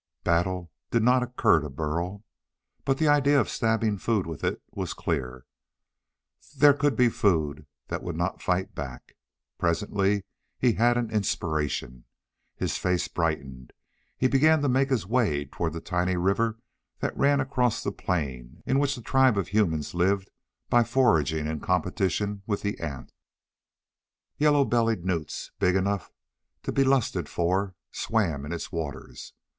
Battle did not occur to Burl. But the idea of stabbing food with it was clear. There could be food that would not fight back. Presently he had an inspiration. His face brightened. He began to make his way toward the tiny river that ran across the plain in which the tribe of humans lived by foraging in competition with the ants. Yellow bellied newts big enough to be lusted for swam in its waters.